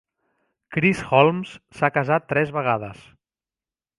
Chris Holmes s'ha casat tres vegades.